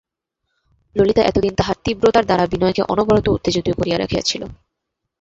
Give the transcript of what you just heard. ললিতা এতদিন তাহার তীব্রতার দ্বারা বিনয়কে অনবরত উত্তেজিত করিয়া রাখিয়াছিল।